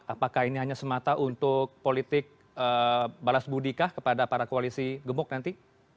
apakah ini hanya semata untuk politik balas budikah kepada para koalisi gemuk nanti